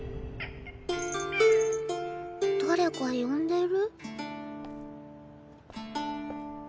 だれか呼んでる？